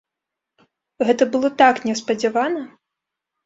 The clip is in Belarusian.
Гэта было так неспадзявана!